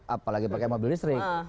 apalagi pakai mobil listrik